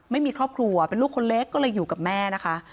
ไม่มีครอบครัวเป็นลูกคนเล็กก็เลยอยู่กับแม่นะคะ